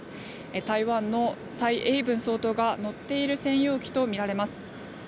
台湾の蔡英文総統が乗っている専用機とみられます。